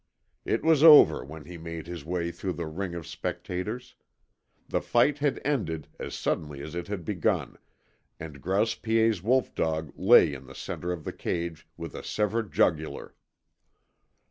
It was over when he made his way through the ring of spectators. The fight had ended as suddenly as it had begun, and Grouse Piet's wolf dog lay in the centre of the cage with a severed jugular.